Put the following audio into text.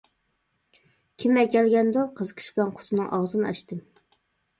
-كىم ئەكەلگەندۇ، -قىزىقىش بىلەن قۇتىنىڭ ئاغزىنى ئاچتىم.